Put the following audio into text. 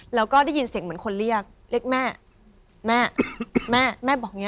แล้วก็ได้ยินเสียงเหมือนคนเรียกเรียกแม่แม่แม่บอกอย่างเง